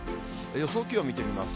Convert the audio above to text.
予想気温見てみます。